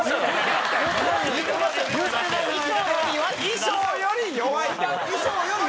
衣装より弱い。